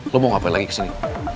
lo mau ngapain lagi kesini